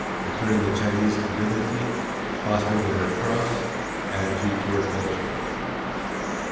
Returning the Chinese Indemnity; fostering the Red Cross; attitude toward Belgium.